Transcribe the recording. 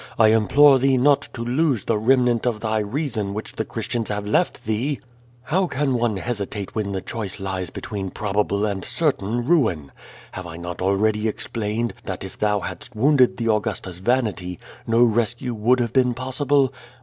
I implore thee not to lose the remnant of thy reason which the Christians have left thee! How can one hesitate when the choice lies between probable and certain ruin? Have I not already explained that if thou hadst wounded the Augusta's vanity, no rescue would have been possible?